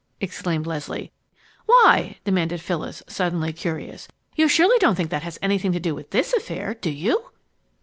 exclaimed Leslie. "Why?" demanded Phyllis, suddenly curious. "You surely don't think that has anything to do with this affair, do you?"